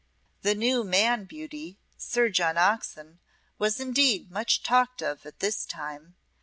The new man beauty, Sir John Oxon, was indeed much talked of at this time.